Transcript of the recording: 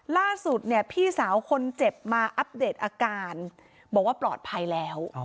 ล่าสุดเนี่ยพี่สาวคนเจ็บมาอัปเดตอาการบอกว่าปลอดภัยแล้ว